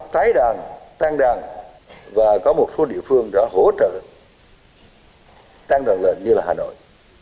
tái đoàn tan đoàn và có một số địa phương đã hỗ trợ tan đoàn lợn như là hà nội